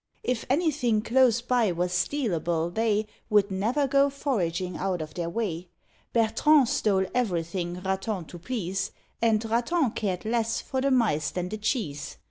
If anything close by was stealable, they Would never go foraging out of their way. Bertrand stole everything Raton to please, And Raton cared less for the mice than the cheese.